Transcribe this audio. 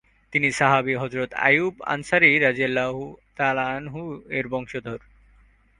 তিনি সাহাবী হযরত আবু আইয়ুব আনসারি রাঃ-এর বংশধর।